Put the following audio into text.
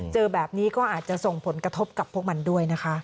เจอแบบนี้ก็อาจจะส่งผลกระทบกับพวกมันด้วยนะคะ